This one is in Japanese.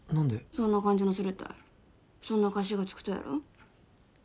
そんな感じのするったいそんな歌詞がつくとやろ？